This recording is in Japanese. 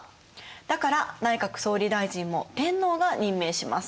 だから内閣総理大臣も天皇が任命します。